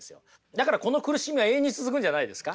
だからこの苦しみは永遠に続くんじゃないですか？